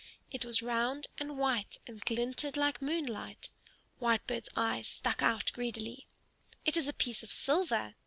It was round and white and glinted like moonlight. Whitebird's eyes stuck out greedily. "It is a piece of silver!"